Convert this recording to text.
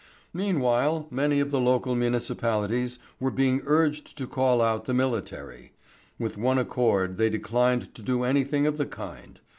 Meanwhile, many of the local municipalities were being urged to call out the military. With one accord they declined to do anything of the kind.